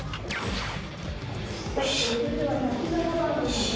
よし。